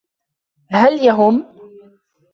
هل يهم؟